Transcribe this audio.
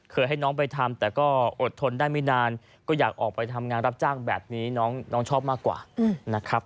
ให้น้องไปทำแต่ก็อดทนได้ไม่นานก็อยากออกไปทำงานรับจ้างแบบนี้น้องชอบมากกว่านะครับ